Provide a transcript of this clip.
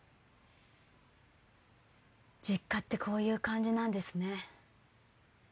実家ってこういう感じなんですね